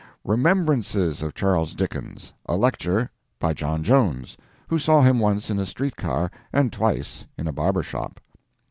"Remembrances of Charles Dickens." A lecture. By John Jones, who saw him once in a street car and twice in a barber shop.